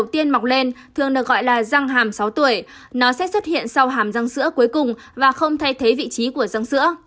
trẻ thường được gọi là răng hàm sáu tuổi nó sẽ xuất hiện sau hàm răng sữa cuối cùng và không thay thế vị trí của răng sữa